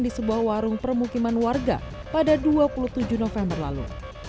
di sebuah warung permukiman warga pada dua puluh tujuh november lalu